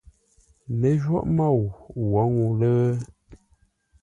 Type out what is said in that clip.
Lə́jwôghʼ môu wǒ ŋuu lə.